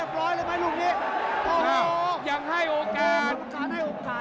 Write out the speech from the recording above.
โอ้โหยังให้โอกาส